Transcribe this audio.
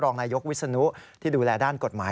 รองนายกวิศนุที่ดูแลด้านกฎหมาย